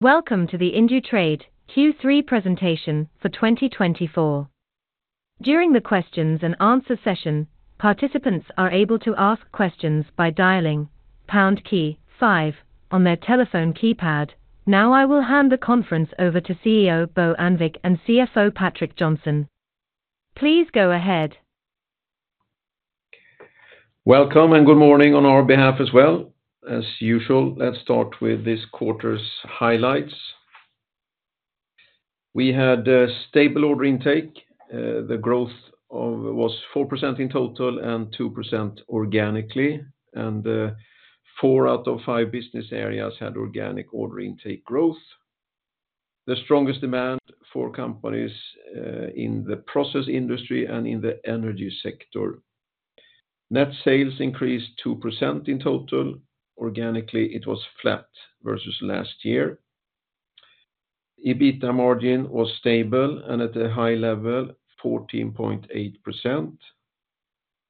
Welcome to the Indutrade Q3 presentation for 2024. During the questions and answer session, participants are able to ask questions by dialing pound key five on their telephone keypad. Now, I will hand the conference over to CEO Bo Annvik and CFO Patrik Johnson. Please go ahead. Welcome, and good morning on our behalf as well. As usual, let's start with this quarter's highlights. We had stable order intake. The growth was 4% in total and 2% organically, and 4 out of 5 business areas had organic order intake growth. The strongest demand for companies in the process industry and in the energy sector. Net sales increased 2% in total. Organically, it was flat versus last year. EBITDA margin was stable and at a high level, 14.8%.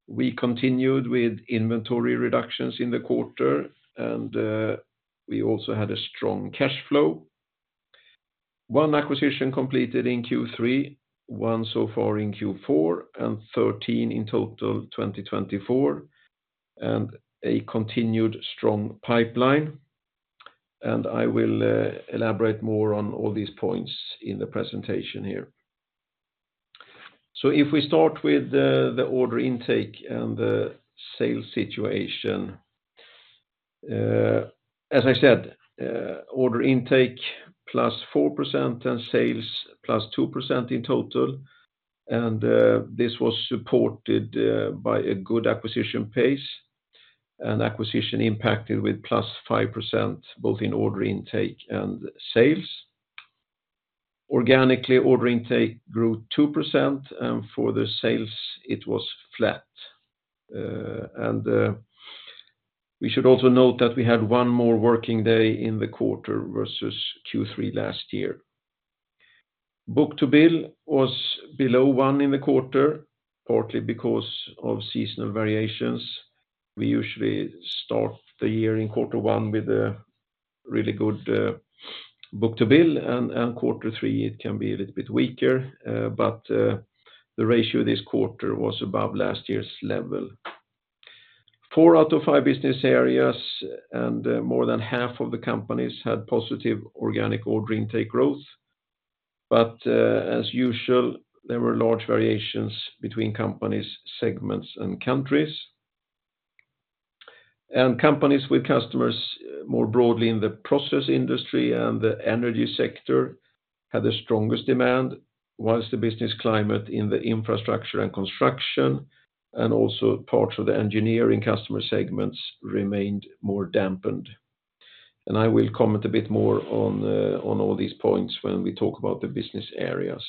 We continued with inventory reductions in the quarter, and we also had a strong cash flow. One acquisition completed in Q3, one so far in Q4, and 13 in total, 2024, and a continued strong pipeline. I will elaborate more on all these points in the presentation here. If we start with the order intake and the sales situation, as I said, order intake +4% and sales +2% in total, and this was supported by a good acquisition pace, and acquisition impacted with +5%, both in order intake and sales. Organically, order intake grew 2%, and for the sales, it was flat, and we should also note that we had one more working day in the quarter versus Q3 last year. Book-to-bill was below one in the quarter, partly because of seasonal variations. We usually start the year in quarter one with a really good book-to-bill, and quarter three, it can be a little bit weaker, but the ratio this quarter was above last year's level. Four out of five business areas and more than half of the companies had positive organic order intake growth, but as usual, there were large variations between companies, segments, and countries, and companies with customers more broadly in the process industry and the energy sector had the strongest demand, while the business climate in the infrastructure and construction, and also parts of the engineering customer segments remained more dampened, and I will comment a bit more on all these points when we talk about the business areas.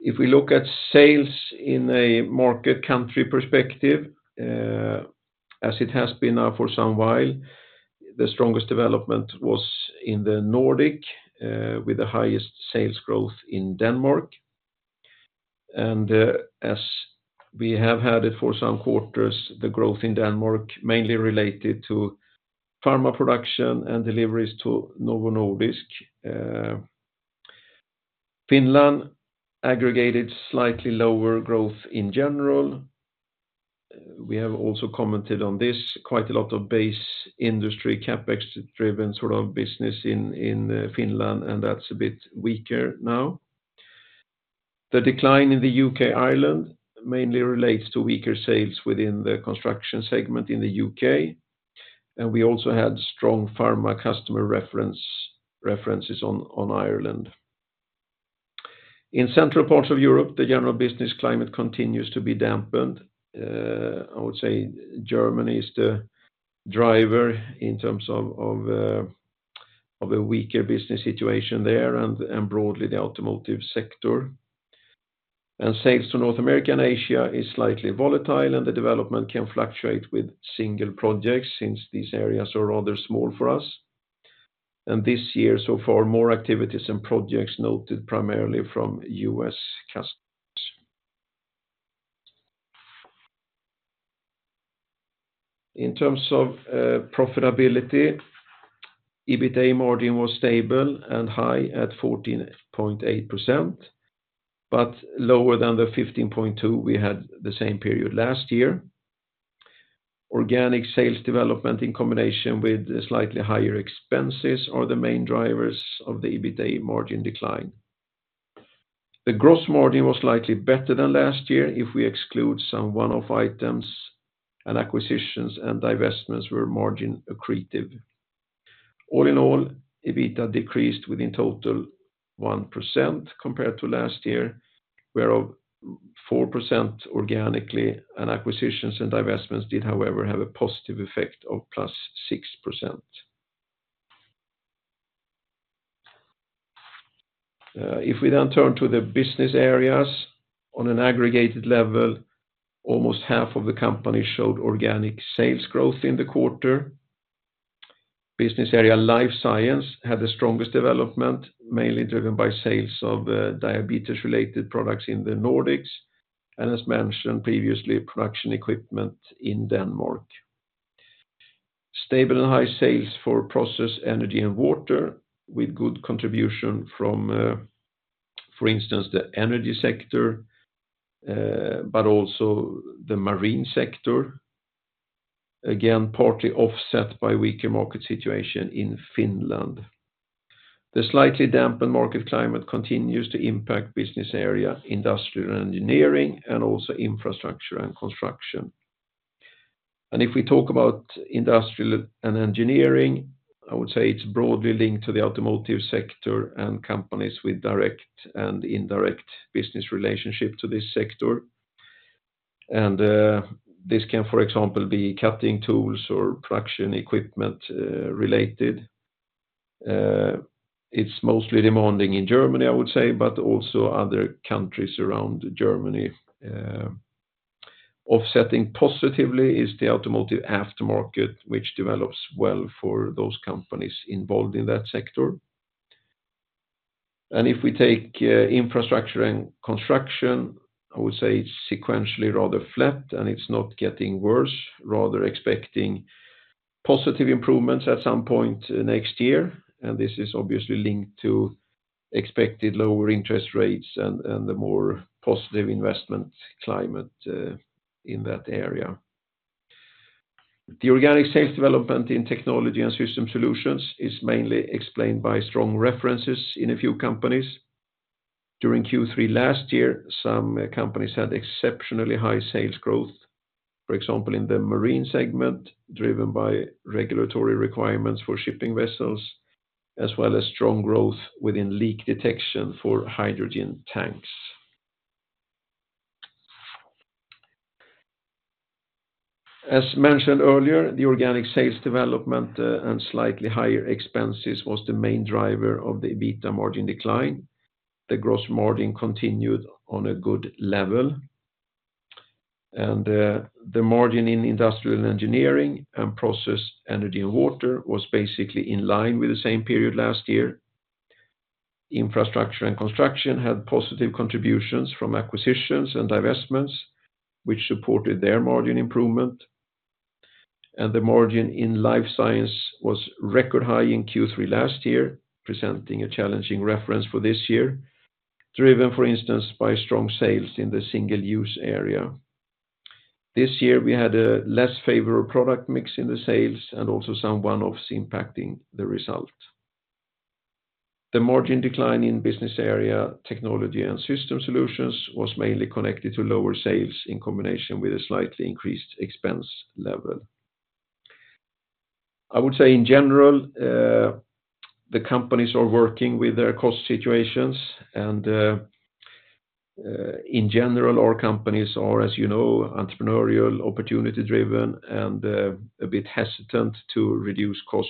If we look at sales in a market country perspective, as it has been now for some while, the strongest development was in the Nordics with the highest sales growth in Denmark, and as we have had it for some quarters, the growth in Denmark mainly related to pharma production and deliveries to Novo Nordisk. Finland aggregated slightly lower growth in general. We have also commented on this, quite a lot of base industry, CapEx-driven sort of business in Finland, and that's a bit weaker now. The decline in the U.K., Ireland, mainly relates to weaker sales within the construction segment in the U.K., and we also had strong pharma customer references on Ireland. In central parts of Europe, the general business climate continues to be dampened. I would say Germany is the driver in terms of a weaker business situation there and broadly, the automotive sector. And sales to North America and Asia is slightly volatile, and the development can fluctuate with single projects since these areas are rather small for us. And this year, so far, more activities and projects noted primarily from U.S. customers. In terms of profitability, EBITDA margin was stable and high at 14.8%, but lower than the 15.2% we had the same period last year. Organic sales development, in combination with slightly higher expenses, are the main drivers of the EBITDA margin decline. The gross margin was likely better than last year if we exclude some one-off items, and acquisitions and divestments were margin accretive. All in all, EBITDA decreased within total 1% compared to last year, whereof 4% organically, and acquisitions and divestments did, however, have a positive effect of +6%. If we then turn to the business areas, on an aggregated level, almost half of the company showed organic sales growth in the quarter. Business area Life Science had the strongest development, mainly driven by sales of diabetes-related products in the Nordics. And as mentioned previously, production equipment in Denmark. Stable and high sales for Process, Energy and Water, with good contribution from, for instance, the energy sector, but also the marine sector. Again, partly offset by weaker market situation in Finland. The slightly dampened market climate continues to impact business area, Industrial Engineering and also Infrastructure and Construction. And if we talk about industrial and engineering, I would say it's broadly linked to the automotive sector and companies with direct and indirect business relationship to this sector. And this can, for example, be cutting tools or production equipment, related. It's mostly demanding in Germany, I would say, but also other countries around Germany. Offsetting positively is the automotive aftermarket, which develops well for those companies involved in that sector. If we take infrastructure and construction, I would say it's sequentially rather flat, and it's not getting worse, rather expecting positive improvements at some point next year. This is obviously linked to expected lower interest rates and the more positive investment climate in that area. The organic sales development in technology and system solutions is mainly explained by strong references in a few companies. During Q3 last year, some companies had exceptionally high sales growth. For example, in the marine segment, driven by regulatory requirements for shipping vessels, as well as strong growth within leak detection for hydrogen tanks. As mentioned earlier, the organic sales development and slightly higher expenses was the main driver of the EBITDA margin decline. The gross margin continued on a good level, and the margin in Industrial Engineering and Process ,Energy and Water was basically in line with the same period last year. Infrastructure and construction had positive contributions from acquisitions and divestments, which supported their margin improvement, and the margin in Life science was record high in Q3 last year, presenting a challenging reference for this year, driven, for instance, by strong sales in the single-use area. This year, we had a less favorable product mix in the sales, and also some one-offs impacting the result. The margin decline in business area, technology and system solutions, was mainly connected to lower sales in combination with a slightly increased expense level. I would say, in general, the companies are working with their cost situations, and, in general, our companies are, as you know, entrepreneurial, opportunity-driven, and a bit hesitant to reduce cost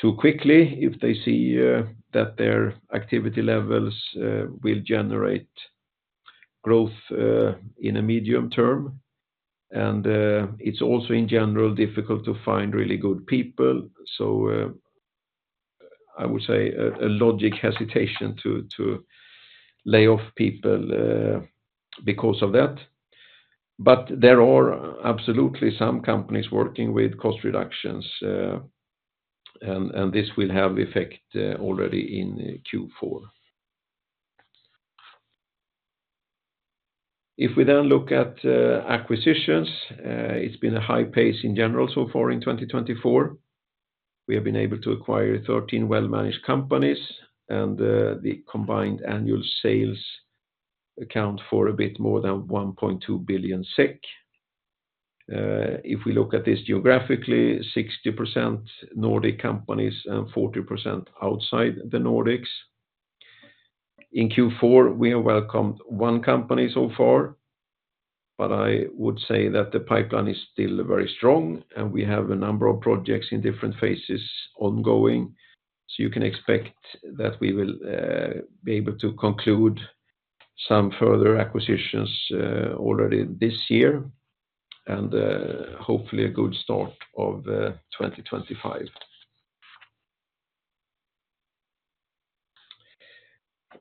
too quickly if they see that their activity levels will generate growth in a medium term. And it's also, in general, difficult to find really good people, so I would say a logical hesitation to lay off people because of that. But there are absolutely some companies working with cost reductions, and this will have effect already in Q4. If we then look at acquisitions, it's been a high pace in general so far in twenty twenty-four. We have been able to acquire thirteen well-managed companies, and the combined annual sales account for a bit more than 1.2 billion SEK. If we look at this geographically, 60% Nordic companies and 40% outside the Nordics. In Q4, we have welcomed one company so far, but I would say that the pipeline is still very strong, and we have a number of projects in different phases ongoing. So you can expect that we will be able to conclude some further acquisitions already this year, and hopefully, a good start of 2025.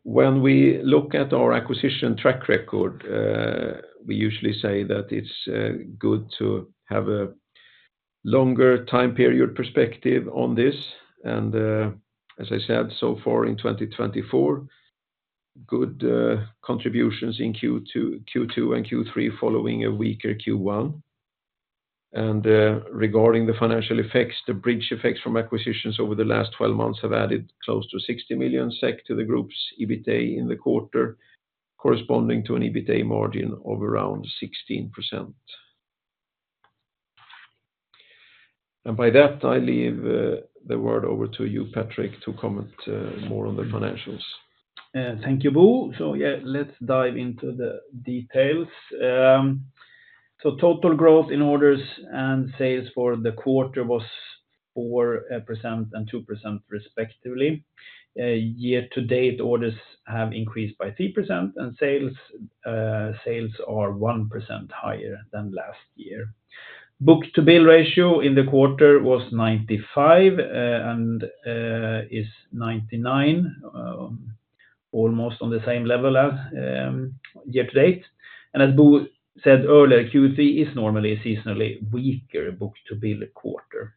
When we look at our acquisition track record, we usually say that it's good to have a longer time period perspective on this, and as I said, so far in 2024, good contributions in Q2 and Q3, following a weaker Q1. Regarding the financial effects, the bridge effects from acquisitions over the last 12 months have added close to 60 million SEK to the group's EBITA in the quarter, corresponding to an EBITA margin of around 16%. By that, I leave the word over to you, Patrik, to comment more on the financials. Thank you, Bo. So yeah, let's dive into the details. So total growth in orders and sales for the quarter was 4 and 2% respectively. Year-to-date, orders have increased by 3%, and sales are 1% higher than last year. Book-to-bill ratio in the quarter was 95 and is 99, almost on the same level as year-to-date. And as Bo said earlier, Q3 is normally a seasonally weaker book-to-bill quarter.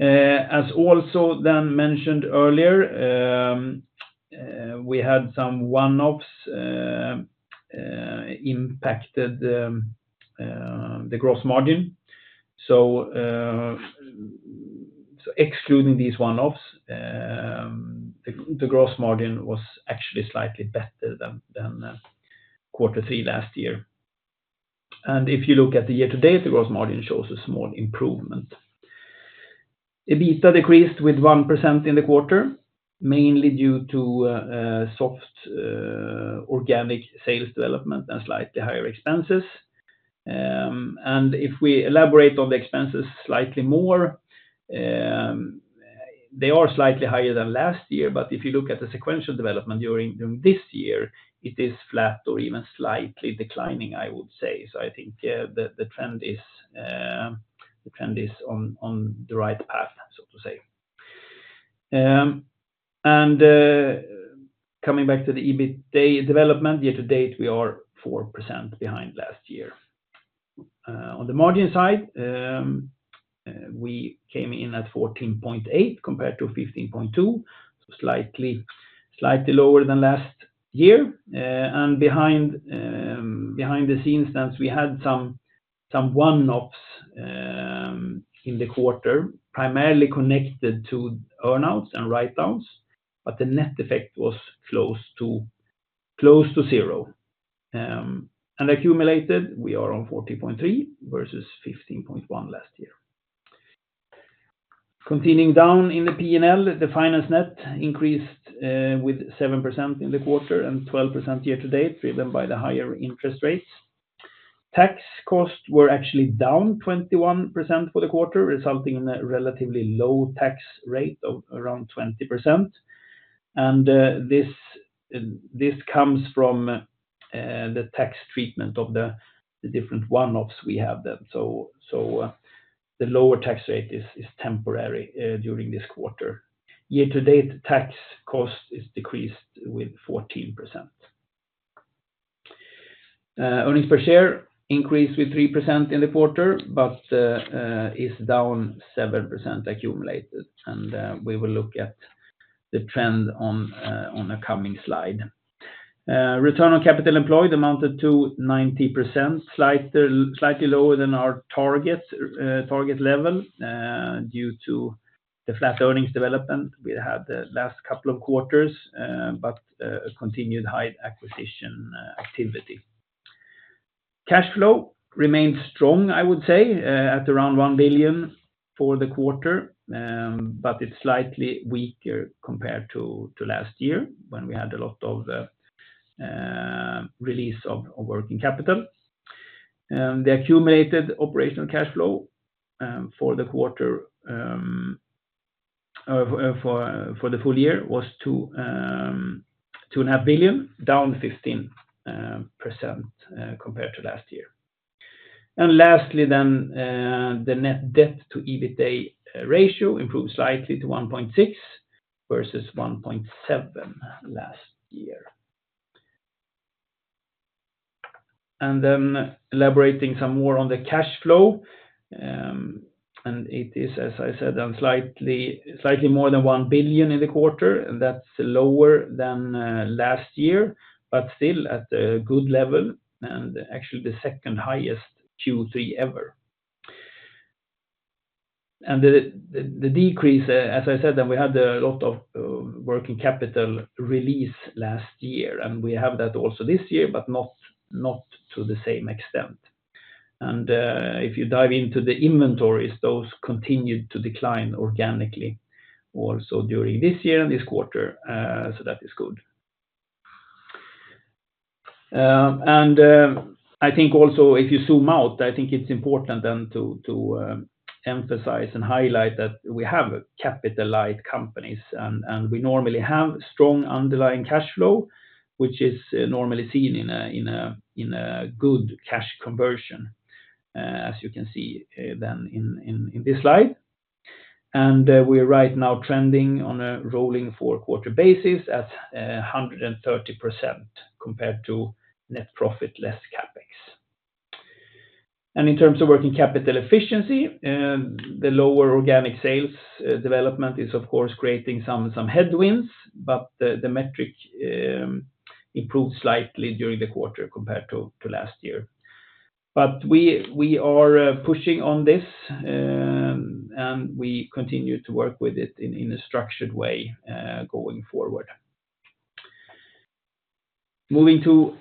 As also then mentioned earlier, we had some one-offs impacted the gross margin. So excluding these one-offs, the gross margin was actually slightly better than quarter three last year. And if you look at the year-to-date, the gross margin shows a small improvement. EBITDA decreased with 1% in the quarter, mainly due to soft organic sales development and slightly higher expenses, and if we elaborate on the expenses slightly more, they are slightly higher than last year, but if you look at the sequential development during this year, it is flat or even slightly declining, I would say, so I think the trend is on the right path, so to say, and coming back to the EBITA development, year-to-date, we are 4% behind last year, on the margin side, we came in at fourteen point eight compared to fifteen point two, slightly lower than last year. And behind the scenes then, we had some one-offs in the quarter, primarily connected to earn-outs and write-downs, but the net effect was close to zero. And accumulated, we are on 14.3 versus 15.1 last year. Continuing down in the P&L, the finance net increased with 7% in the quarter and 12% year-to-date, driven by the higher interest rates. Tax costs were actually down 21% for the quarter, resulting in a relatively low tax rate of around 20%. And, this comes from the tax treatment of the different one-offs we have then. So, the lower tax rate is temporary during this quarter. Year-to-date, tax cost is decreased with 14%. Earnings per share increased with 3% in the quarter, but is down 7% accumulated, and we will look at the trend on a coming slide. Return on capital employed amounted to 90%, slightly lower than our target level, due to the flat earnings development we had the last couple of quarters, but continued high acquisition activity. Cash flow remained strong, I would say, at around 1 billion for the quarter, but it's slightly weaker compared to last year, when we had a lot of the release of working capital. The accumulated operational cash flow for the full year was 2.5 billion, down 15%, compared to last year. Lastly, the net debt to EBITA ratio improved slightly to 1.6 versus 1.7 last year. Elaborating some more on the cash flow, and it is, as I said, slightly more than $1 billion in the quarter, and that's lower than last year, but still at a good level, and actually the second highest Q3 ever. The decrease, as I said, that we had a lot of working capital release last year, and we have that also this year, but not to the same extent. If you dive into the inventories, those continued to decline organically, also during this year and this quarter, so that is good. I think also if you zoom out, I think it's important then to emphasize and highlight that we have capital light companies, and we normally have strong underlying cash flow, which is normally seen in a good cash conversion, as you can see in this slide. We are right now trending on a rolling four-quarter basis at 130% compared to net profit less CapEx. In terms of working capital efficiency, the lower organic sales development is, of course, creating some headwinds, but the metric improved slightly during the quarter compared to last year. We are pushing on this, and we continue to work with it in a structured way going forward. Moving to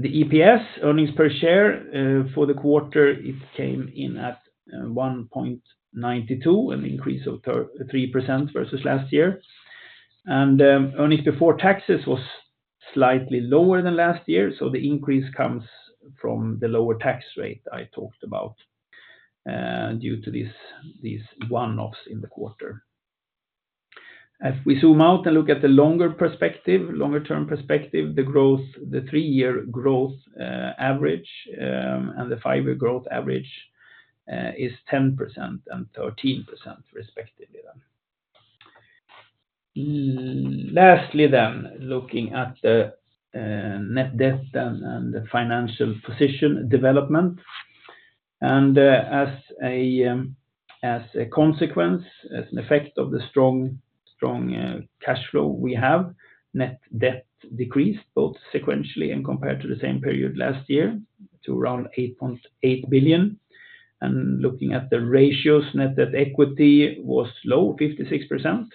the EPS, earnings per share, for the quarter, it came in at 1.92, an increase of 33% versus last year. Earnings before taxes was slightly lower than last year, so the increase comes from the lower tax rate I talked about due to these one-offs in the quarter. As we zoom out and look at the longer perspective, longer term perspective, the growth, the three-year growth average and the five-year growth average is 10 and 13% respectively then. Lastly then, looking at the net debt and the financial position development. As a consequence, as an effect of the strong cash flow we have, net debt decreased both sequentially and compared to the same period last year to around 8.8 billion. And looking at the ratios, net debt equity was low, 56%,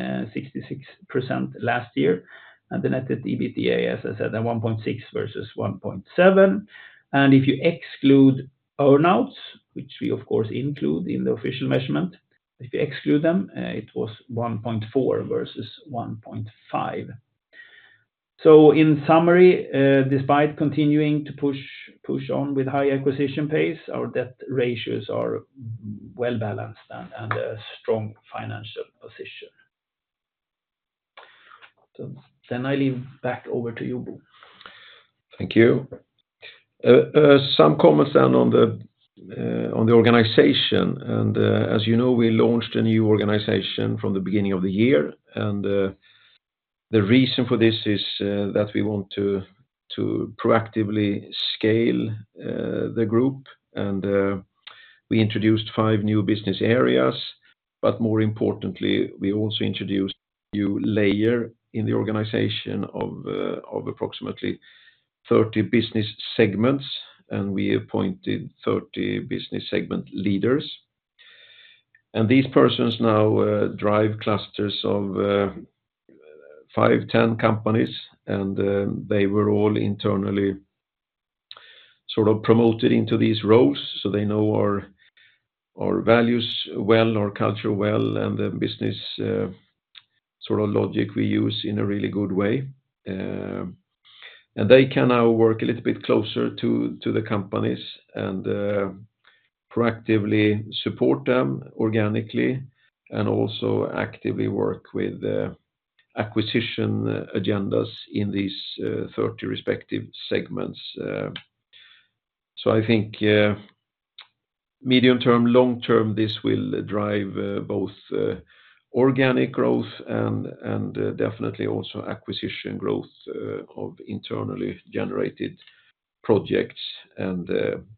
66% last year. And the net debt EBITDA, as I said, at 1.6 versus 1.7. And if you exclude earn-outs, which we of course include in the official measurement, if you exclude them, it was 1.4 versus 1.5. So in summary, despite continuing to push on with high acquisition pace, our debt ratios are well balanced and a strong financial position. So then I leave back over to you, Bo. Thank you. Some comments then on the organization. As you know, we launched a new organization from the beginning of the year, and the reason for this is that we want to proactively scale the group. We introduced five new business areas, but more importantly, we also introduced a new layer in the organization of approximately 30 business segments, and we appointed 30 business segment leaders. These persons now drive clusters of 5, 10 companies, and they were all internally sort of promoted into these roles, so they know our values well, our culture well, and the business sort of logic we use in a really good way. And they can now work a little bit closer to the companies and proactively support them organically, and also actively work with the acquisition agendas in these thirty respective segments. So I think, medium term, long term, this will drive both organic growth and definitely also acquisition growth of internally generated projects, and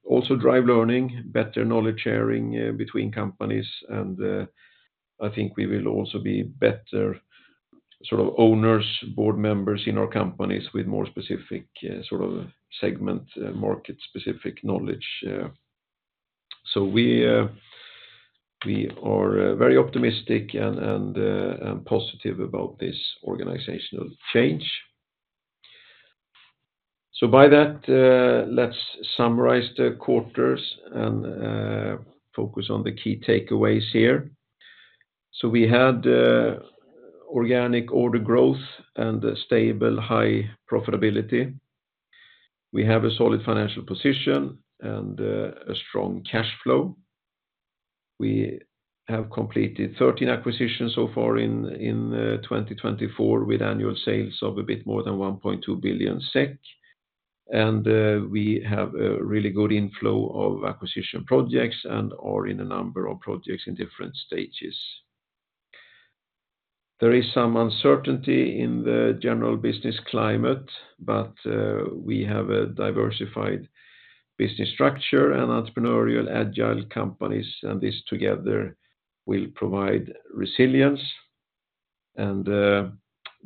also drive learning, better knowledge sharing between companies. And I think we will also be better sort of owners, board members in our companies with more specific sort of segment market-specific knowledge. So we are very optimistic and positive about this organizational change. So by that, let's summarize the quarters and focus on the key takeaways here. So we had organic order growth and a stable high profitability. We have a solid financial position and a strong cash flow. We have completed thirteen acquisitions so far in 2024, with annual sales of a bit more than 1.2 billion SEK. And we have a really good inflow of acquisition projects and are in a number of projects in different stages. There is some uncertainty in the general business climate, but we have a diversified business structure and entrepreneurial agile companies, and this together will provide resilience. And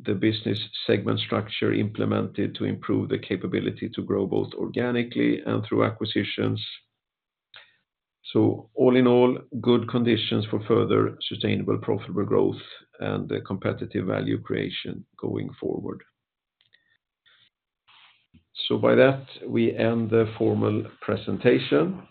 the business segment structure implemented to improve the capability to grow both organically and through acquisitions. So all in all, good conditions for further sustainable, profitable growth and competitive value creation going forward. So by that, we end the formal presentation.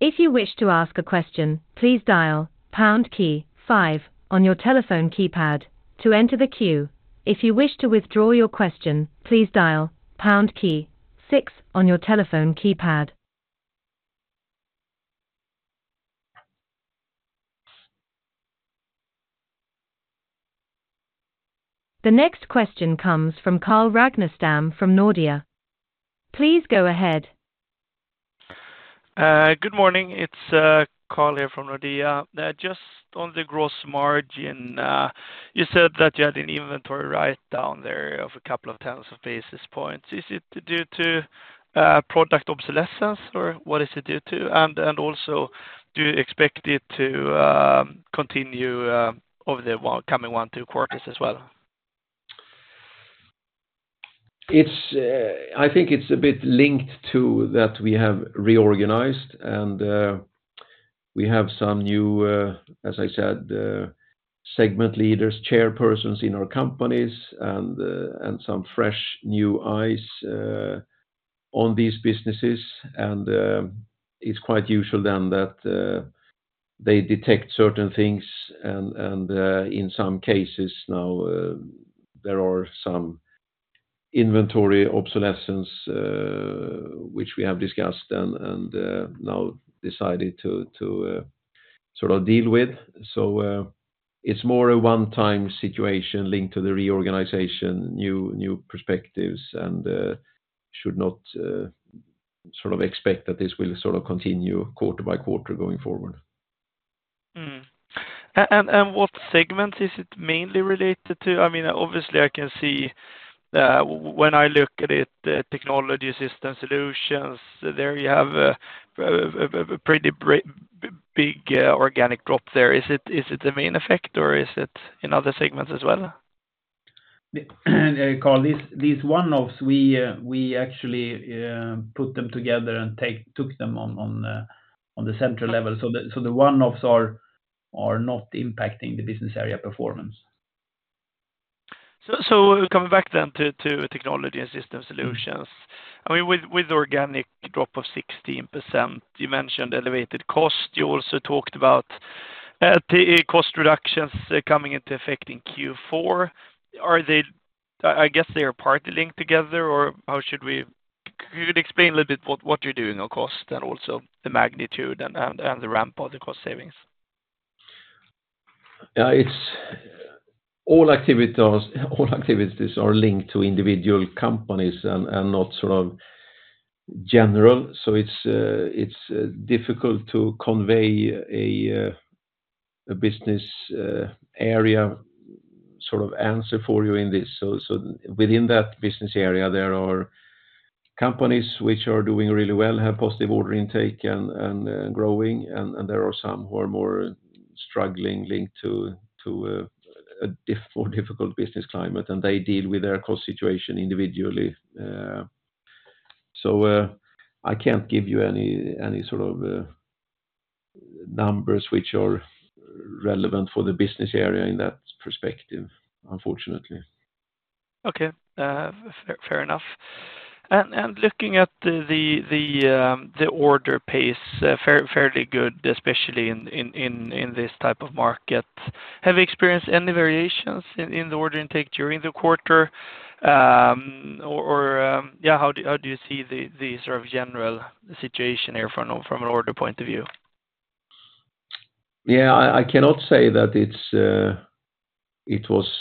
If you wish to ask a question, please dial pound key five on your telephone keypad to enter the queue. If you wish to withdraw your question, please dial pound key six on your telephone keypad. The next question comes from Carl Ragner Stam from Nordea. Please go ahead. Good morning, it's Carl here from Nordea. Just on the gross margin, you said that you had an inventory write-down there of a couple of tens of basis points. Is it due to product obsolescence, or what is it due to? And also, do you expect it to continue over the coming one, two quarters as well? It's, I think it's a bit linked to that we have reorganized and we have some new, as I said, segment leaders, chairpersons in our companies and some fresh new eyes on these businesses, and it's quite usual then that they detect certain things and in some cases now there are some inventory obsolescence which we have discussed and now decided to sort of deal with. So it's more a one-time situation linked to the reorganization, new perspectives, and should not sort of expect that this will sort of continue quarter by quarter going forward. What segment is it mainly related to? I mean, obviously, I can see, when I look at it, the Technology Systems Solutions, there you have a pretty big organic drop there. Is it the main effect or is it in other segments as well? Carl, these one-offs, we actually put them together and took them on the central level, so the one-offs are not impacting the business area performance. So coming back then to technology and system solutions, I mean, with organic drop of 16%, you mentioned elevated cost, you also talked about cost reductions coming into effect in Q4. Are they? I guess they are partly linked together, or how should we? Could you explain a little bit what you're doing on cost, and also the magnitude and the ramp of the cost savings? All activities are linked to individual companies and not sort of general. So it's difficult to convey a business area sort of answer for you in this. So within that business area, there are companies which are doing really well, have positive order intake and growing, and there are some who are more struggling, linked to a more difficult business climate, and they deal with their cost situation individually. So I can't give you any sort of numbers which are relevant for the business area in that perspective, unfortunately. Okay, fair enough. And looking at the order pace, fairly good, especially in this type of market. Have you experienced any variations in the order intake during the quarter? Or, yeah, how do you see the sort of general situation here from an order point of view? Yeah, I cannot say that it was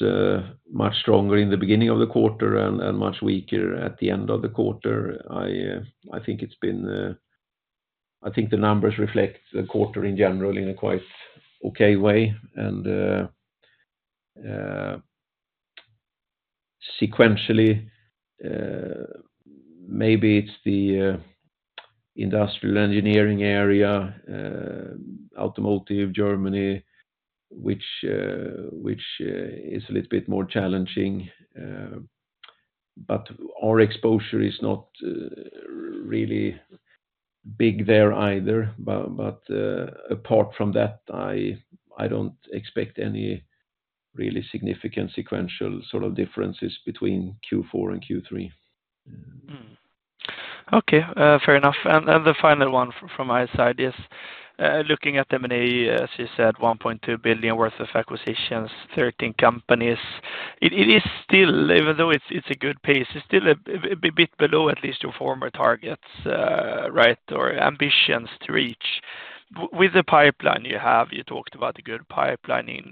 much stronger in the beginning of the quarter and much weaker at the end of the quarter. I think the numbers reflect the quarter in general in a quite okay way, and sequentially, maybe it's the industrial engineering area, automotive, Germany, which is a little bit more challenging, but our exposure is not really big there either, but apart from that, I don't expect any really significant sequential sort of differences between Q4 and Q3. Okay, fair enough. And the final one from my side is looking at M&A, as you said, 1.2 billion worth of acquisitions, 13 companies. It is still, even though it's a good pace, it's still a bit below, at least your former targets, right? Or ambitions to reach. With the pipeline you have, you talked about the good pipeline in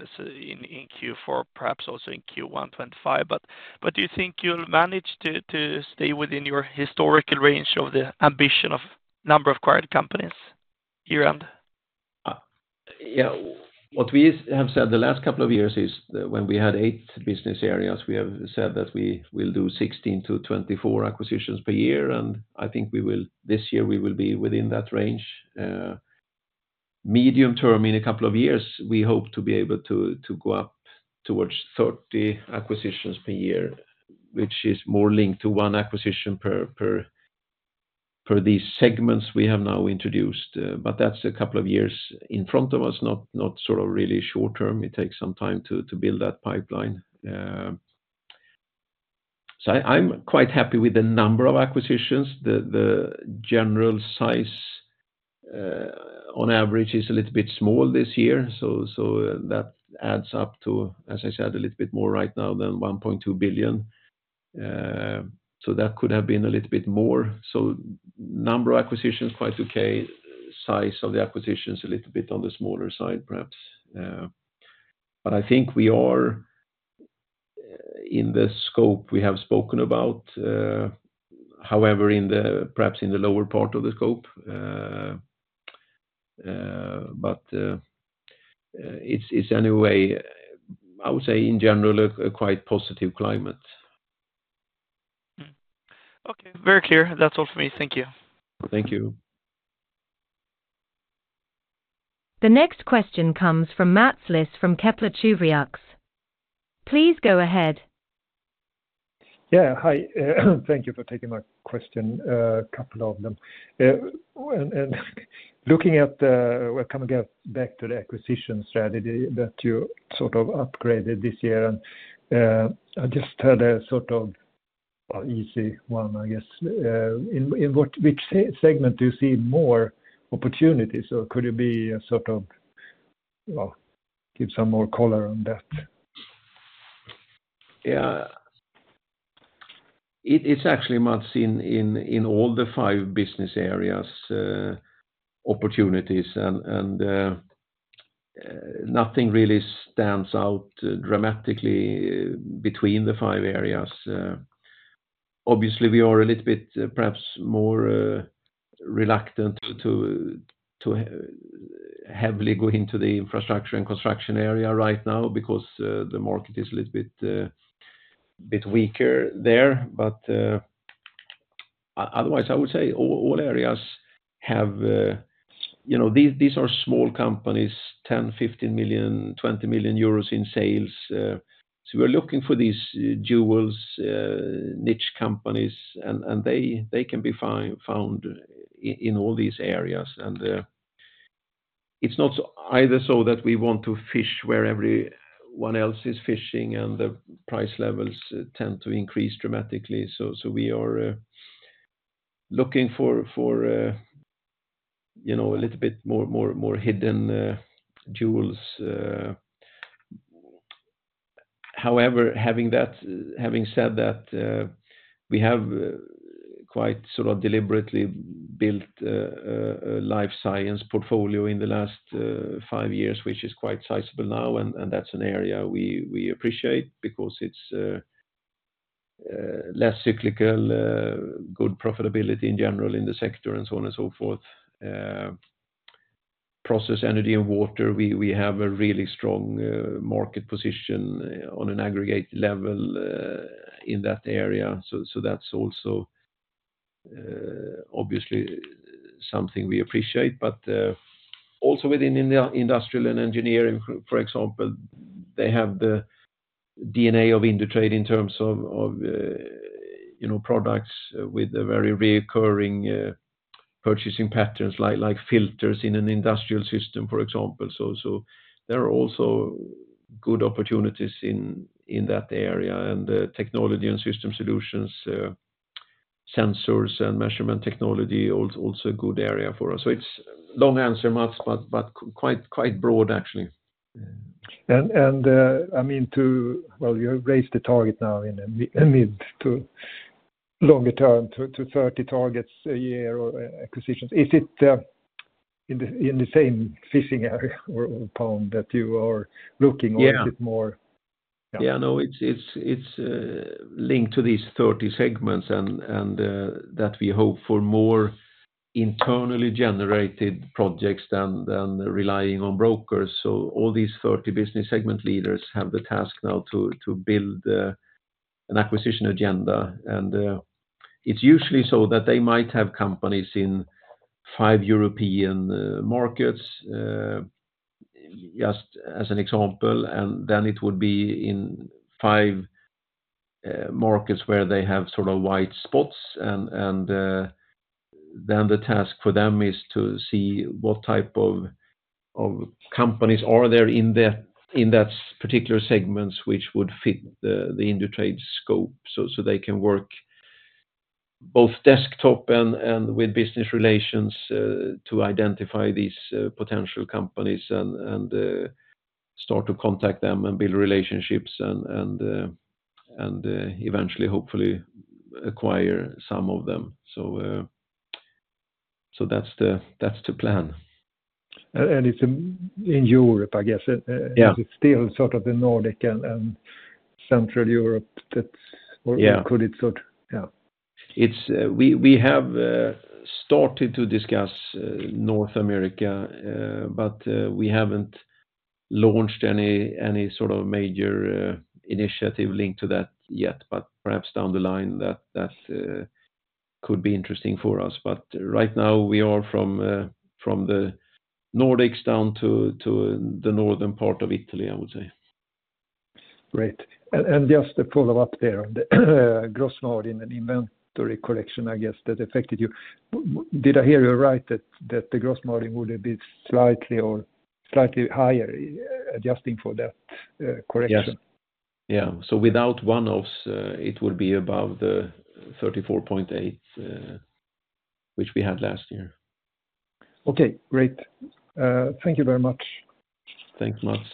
Q4, perhaps also in Q1 2025, but do you think you'll manage to stay within your historical range of the ambition of number of acquired companies year end? Yeah, what we have said the last couple of years is when we had eight business areas, we have said that we will do 16-24 acquisitions per year, and I think we will this year be within that range. Medium term, in a couple of years, we hope to be able to go up towards 30 acquisitions per year, which is more linked to one acquisition per these segments we have now introduced, but that's a couple of years in front of us, not sort of really short term. It takes some time to build that pipeline, so I'm quite happy with the number of acquisitions. The general size, on average, is a little bit small this year, so that adds up to, as I said, a little bit more right now than 1.2 billion. So that could have been a little bit more. So number of acquisitions, quite okay, size of the acquisitions, a little bit on the smaller side, perhaps, but I think we are in the scope we have spoken about, however, perhaps in the lower part of the scope. But it's anyway, I would say, in general, a quite positive climate. Mm. Okay, very clear. That's all for me. Thank you. Thank you. The next question comes from Mats Liss from Kepler Cheuvreux. Please go ahead. Yeah, hi. Thank you for taking my question, a couple of them. And looking at, well, coming back to the acquisition strategy that you sort of upgraded this year, and I just had a sort of easy one, I guess. In which segment do you see more opportunities, or could it be a sort of... Well, give some more color on that. Yeah. It's actually much in all the five business areas, opportunities, and nothing really stands out dramatically between the five areas. Obviously, we are a little bit perhaps more reluctant to heavily go into the infrastructure and construction area right now because the market is a little bit weaker there. But otherwise, I would say all areas have. You know, these are small companies, 10, 15, 20 million euros in sales. So we're looking for these jewels, niche companies, and they can be found in all these areas. And it's not so that we want to fish where everyone else is fishing, and the price levels tend to increase dramatically. So we are looking for, you know, a little bit more hidden jewels. However, having said that, we have quite sort of deliberately built a Life Science portfolio in the last five years, which is quite sizable now, and that's an area we appreciate because it's less cyclical, good profitability in general in the sector, and so on and so forth. Process, Energy, and Water, we have a really strong market position on an aggregate level in that area. So that's also obviously something we appreciate. But also within industrial and engineering, for example, they have the DNA of Indutrade in terms of you know, products with a very recurring purchasing patterns, like filters in an industrial system, for example. So there are also good opportunities in that area, and technology and system solutions, sensors and measurement technology is also a good area for us. So it's long answer, Mats, but quite broad, actually. I mean, well, you have raised the target now in the mid to longer term to 30 targets a year or acquisitions. Is it in the same fishing area or pond that you are looking? Yeah. Or is it more? Yeah, no, it's linked to these thirty segments, and that we hope for more internally generated projects than relying on brokers. So all these thirty business segment leaders have the task now to build an acquisition agenda. And it's usually so that they might have companies in five European markets, just as an example, and then it would be in five markets where they have sort of white spots, and then the task for them is to see what type of companies are there in that particular segments, which would fit the Indutrade scope. So they can work both desktop and with business relations to identify these potential companies and eventually, hopefully acquire some of them. So that's the plan. It's in Europe, I guess? Yeah. Is it still sort of the Nordic and Central Europe that's- Yeah. Or could it sort... Yeah. It's we have started to discuss North America, but we haven't launched any sort of major initiative linked to that yet, but perhaps down the line, that could be interesting for us. But right now, we are from the Nordics down to the northern part of Italy, I would say. Great. And just to follow up there, the gross margin and inventory correction, I guess, that affected you. Did I hear you right, that the gross margin would have been slightly higher, adjusting for that correction? Yes. Yeah. So without one-offs, it would be above the thirty-four point eight, which we had last year. Okay, great. Thank you very much. Thanks, Mats.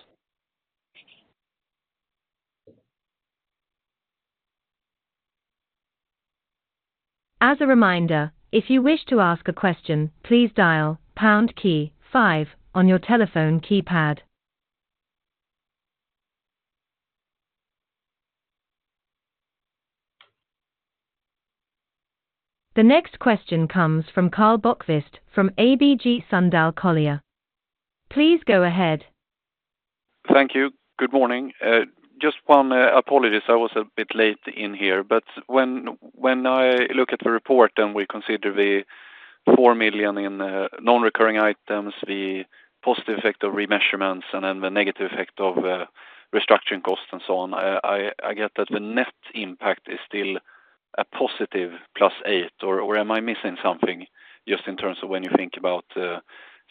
As a reminder, if you wish to ask a question, please dial pound key five on your telephone keypad. The next question comes from Karl Bokvist from ABG Sundal Collier. Please go ahead. Thank you. Good morning. Just one. Apologies, I was a bit late in here. But when I look at the report and we consider the 4 million in non-recurring items, the positive effect of remeasurements, and then the negative effect of restructuring costs and so on, I get that the net impact is still a positive plus 8, or am I missing something? Just in terms of when you think about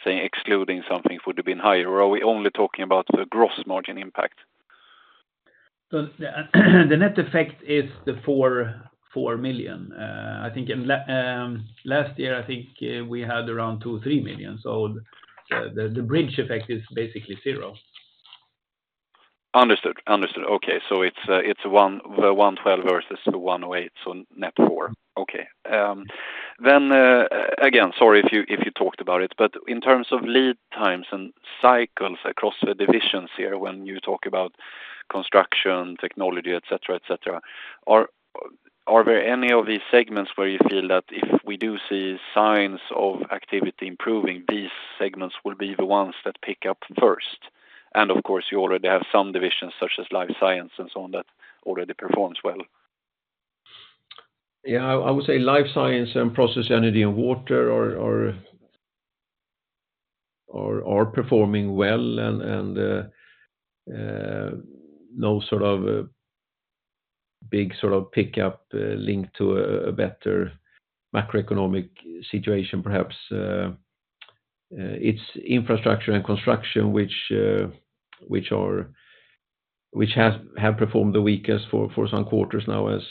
saying, excluding something would have been higher, or are we only talking about the gross margin impact? The net effect is 4.4 million. I think in last year, I think, we had around 2.3 million, so the bridge effect is basically zero. Understood. Understood. Okay, so it's one, the one twelve versus the one way, so net four. Okay. Then, again, sorry if you talked about it, but in terms of lead times and cycles across the divisions here, when you talk about construction, technology, et cetera, et cetera, are there any of these segments where you feel that if we do see signs of activity improving, these segments will be the ones that pick up first, and of course you already have some divisions, such as life science and so on, that already performs well. Yeah, I would say Life Science and Process, Energy & Water are performing well, and no sort of big sort of pickup linked to a better macroeconomic situation, perhaps. It's Infrastructure and Construction which have performed the weakest for some quarters now, as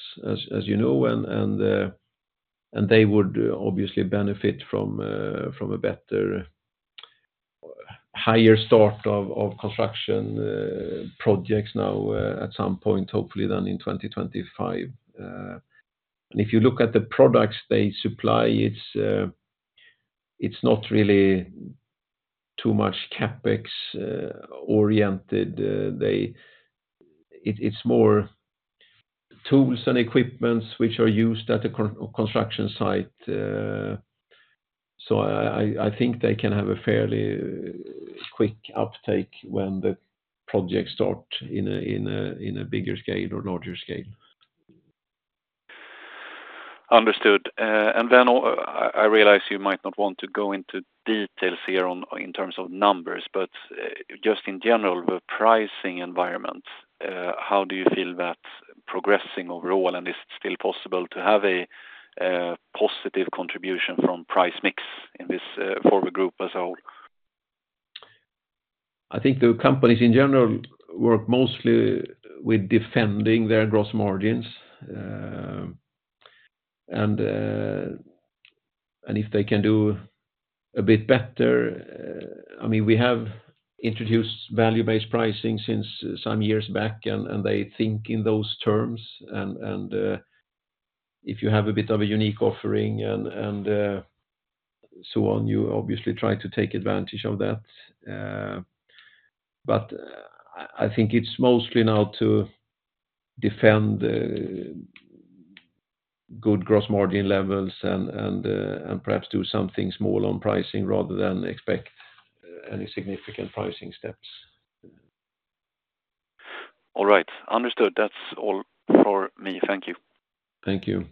you know, and they would obviously benefit from a better, higher start of construction projects now, at some point, hopefully than in 2025. And if you look at the products they supply, it's not really too much CapEx oriented. It's more tools and equipment which are used at the construction site. I think they can have a fairly quick uptake when the projects start in a bigger scale or larger scale. Understood. And then, I realize you might not want to go into details here on in terms of numbers, but just in general, the pricing environment, how do you feel that's progressing overall? And is it still possible to have a positive contribution from price mix in this for the group as a whole? I think the companies in general work mostly with defending their gross margins, and if they can do a bit better, I mean, we have introduced value-based pricing since some years back, and they think in those terms, and if you have a bit of a unique offering and so on, you obviously try to take advantage of that. But I think it's mostly now to defend good gross margin levels and perhaps do something small on pricing rather than expect any significant pricing steps. All right. Understood. That's all for me. Thank you. Thank you.